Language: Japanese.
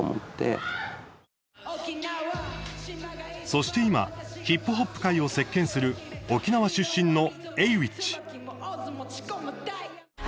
そして今、ヒップホップ界を席けんする沖縄出身のＡｗｉｃｈ。